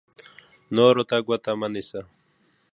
نورو ته ګوته مه نیسئ.